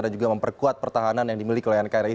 dan juga memperkuat pertahanan yang dimiliki kri